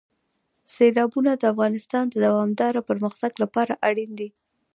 سیلابونه د افغانستان د دوامداره پرمختګ لپاره اړین دي.